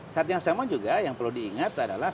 saat yang sama juga yang perlu diingat adalah